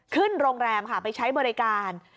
ขึ้นโรงแรมค่ะไปใช้บริการ